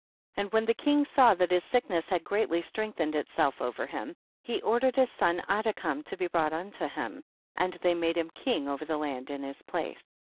58. And when the king saw that his sickness had greatly strengthened itself over him, he ordered his son Adikam to be brought to him, and they made him king over the land in his place.